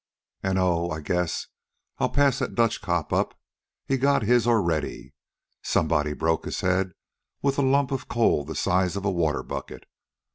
"And oh, I guess I'll pass that Dutch cop up. He got his already. Somebody broke his head with a lump of coal the size of a water bucket.